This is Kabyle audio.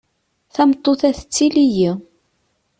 Tameṭṭut-a tettili-yi.